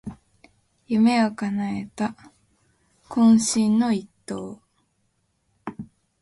夢をかなえた懇親の一投